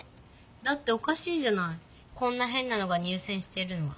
だっておかしいじゃないこんなへんなのが入せんしてるのは。